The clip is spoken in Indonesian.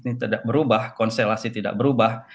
ini tidak berubah konstelasi tidak berubah